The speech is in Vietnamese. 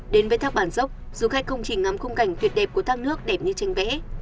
đến với thác bản dốc du khách không chỉ ngắm khung cảnh tuyệt đẹp của thác nước đẹp như tranh vẽ